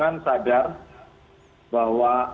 dan ada keadaan yang tidak terlalu baik